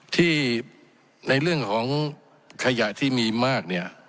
ที่ในเรื่องของขยะที่มีมากเนี่ย